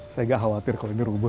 saya gak khawatir kalau ini rubuh